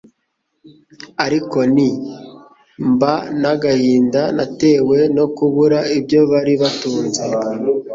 Ariko inti:mba n'agahinda batewe no kubura ibyo bari batunze,